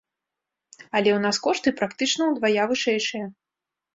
Але ў нас кошты практычна ўдвая вышэйшыя.